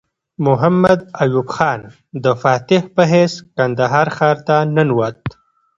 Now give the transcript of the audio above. محمد ایوب خان د فاتح په حیث کندهار ښار ته ننوت.